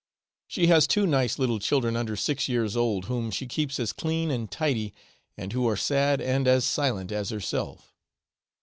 She has two nice little children under six years old, whom she keeps as clean and tidy, and who are sad and as silent, as herself.